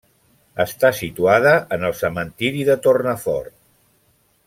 Està situada en el cementiri de Tornafort.